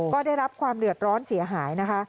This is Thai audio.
ก็ได้รับความเดือดร้อนเสียหายนะคะ